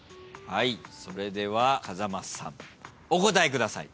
それでは風間さんお答えください。